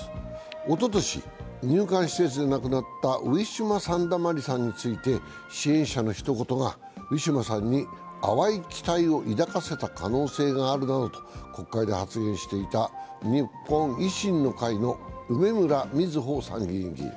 おととし、入館施設でなくなったウィシュマ・サンダマリさんについて支援者のひと言がウィシュマさんに淡い期待を抱かせた可能性があるなどと国会で発言していた日本維新の会の梅村みずほ参議院議員。